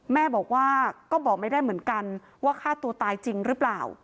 แม่บอกว่าก็บอกไม่ได้เหมือนกันว่าฆ่าตัวตายจริงหรือเปล่า